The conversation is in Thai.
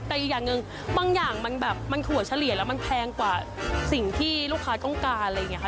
แต่อีกอย่างหนึ่งบางอย่างมันแบบมันถั่วเฉลี่ยแล้วมันแพงกว่าสิ่งที่ลูกค้าต้องการอะไรอย่างนี้ค่ะ